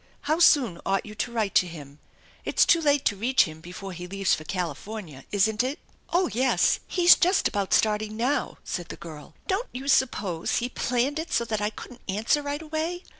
How soon ought you to write to him ? It's too late to reach him before he leaves for California, isn't it ?" "Oh, yes, he's just about starting now," said the girl. * e Don't you suppose he planned it so that I couldn't answer right away?